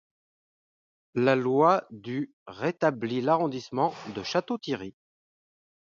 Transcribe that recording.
La loi du rétablit l'arrondissement de Château-Thierry.